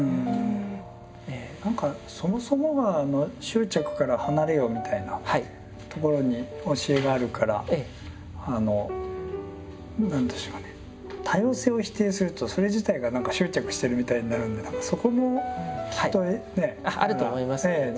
何かそもそもが「執着から離れよ」みたいなところに教えがあるから何でしょうかね多様性を否定するとそれ自体が何か執着してるみたいになるのでそこもきっとね。